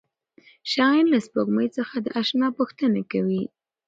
شاعر له سپوږمۍ څخه د اشنا پوښتنه کوي.